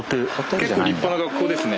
結構立派な学校ですね。